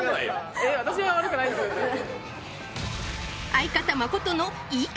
私は悪くないですよね？